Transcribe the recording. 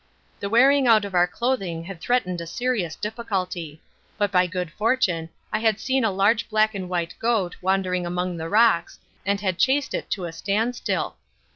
The wearing out of our clothing had threatened a serious difficulty. But by good fortune I had seen a large black and white goat wandering among the rocks and had chased it to a standstill.